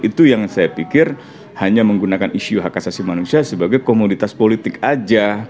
itu yang saya pikir hanya menggunakan isu hak asasi manusia sebagai komoditas politik saja